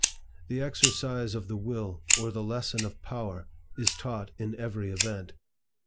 The exercise of the Will or the lesson of power is taught in every event.